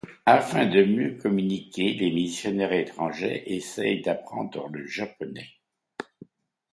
Afin de mieux communiquer, les missionnaires étrangers essaient d'apprendre le japonais.